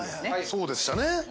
◆そうでしたね。